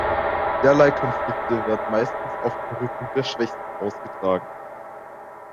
Derlei Konflikte werden meistens auf dem Rücken der Schwächsten ausgetragen.